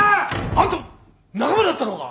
あんたも仲間だったのか！？